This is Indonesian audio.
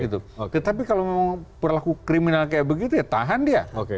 tetapi kalau memang perlaku kriminal kayak begitu ya tahan dia